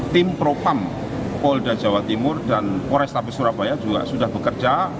tim propam polda jawa timur dan polrestabes surabaya juga sudah bekerja